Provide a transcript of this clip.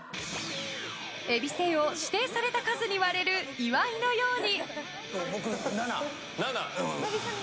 えびせんを指定された数に割れる岩井のように。